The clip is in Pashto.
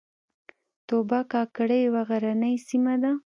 توبه کاکړۍ یوه غرنۍ سیمه ده